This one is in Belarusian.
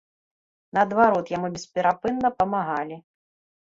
Наадварот, яму бесперапынна памагалі.